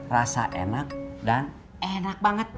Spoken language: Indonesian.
rasa enak dan enak banget